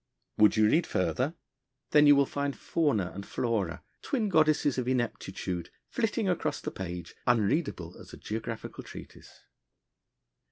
Would you read further? Then you will find Fauna and Flora, twin goddesses of ineptitude, flitting across the page, unreadable as a geographical treatise.